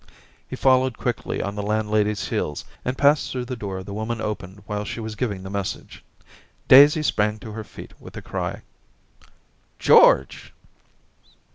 * He followed quickly on the landlady's heels and passed through the door the woman opened while she was giving the message. Daisy sprang to her feet with a cry. * George